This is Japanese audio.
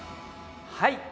はい。